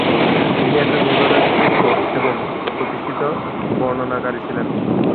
তিনি একজন নির্ভরযোগ্য এবং প্রতিষ্ঠিত বর্ণনাকারী ছিলেন।